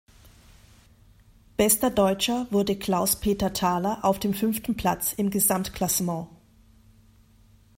Bester Deutscher wurde Klaus-Peter Thaler auf dem fünften Platz im Gesamtklassement.